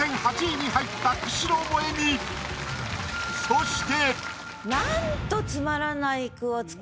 そして。